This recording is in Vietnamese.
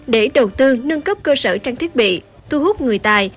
để đầu tư nâng cấp cơ sở trang thiết bị thu hút người tài